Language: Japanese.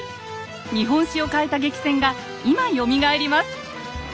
日本史を変えた激戦が今よみがえります。